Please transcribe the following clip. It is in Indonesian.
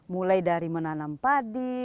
mulai dari menanam padi